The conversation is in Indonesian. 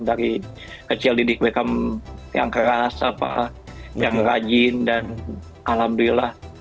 dari kecil didik beckham yang keras apa yang rajin dan alhamdulillah